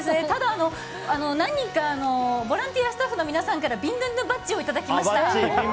ただ何人かボランティアスタッフの方からビンドゥンドゥンバッジをいただきました。